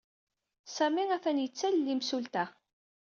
Sami atan la yettalel imsulta.